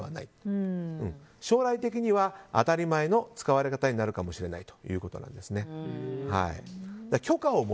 将来的には当たり前の使われ方になるかもしれないということです。